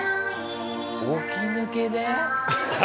起き抜けで？